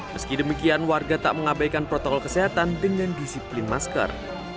meski demikian warga tak mengabaikan protokol kesehatan dengan disiplin masker